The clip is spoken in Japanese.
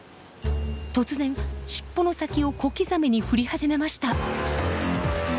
突然尻尾の先を小刻みに振り始めました。